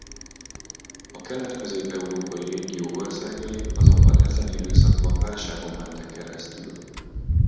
A Kelet-közép európai régió országai azonban ezen időszakban válságon mentek keresztül.